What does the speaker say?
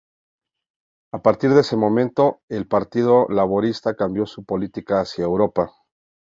A partir de ese momento, el Partido Laborista cambió su política hacia Europa.